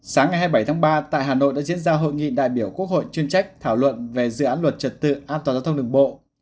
sáng ngày hai mươi bảy tháng ba tại hà nội đã diễn ra hội nghị đại biểu quốc hội chuyên trách thảo luận về dự án luật trật tự an toàn giao thông đường bộ